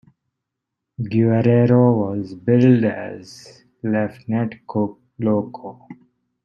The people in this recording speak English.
Guerrero was billed as Lieutenant Loco.